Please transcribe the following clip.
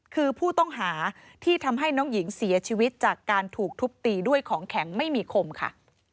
คือผู้ต้องหาที่ทำให้น้องหญิงเสียชีวิตจากการถูกทุบตีด้วยของแข็งไม่มีคมค่ะ